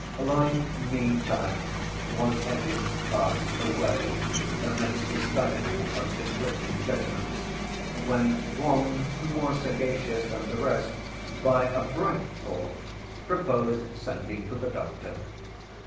Life meantime was ebbing fast away, amidst the stifle of conflicting judgments, when one, more sagacious than the rest, by a bright thought, proposed sending for the Doctor.